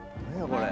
これ。